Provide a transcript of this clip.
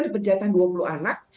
diberi jatah dua puluh anak